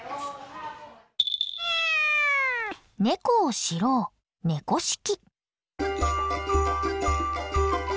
ネコを知ろう「猫識」。